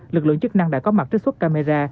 lực lượng chức năng đã có mặt trích xuất camera